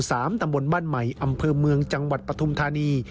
ตำบลบ้านใหม่อำเภอเมืองจังหวัดปฐุมธานี